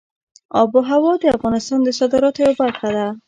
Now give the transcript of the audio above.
آب وهوا د افغانستان د صادراتو یوه برخه ده.